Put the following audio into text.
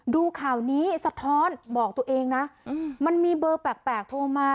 ดูข่าวนี้สะท้อนบอกตัวเองนะมันมีเบอร์แปลกโทรมา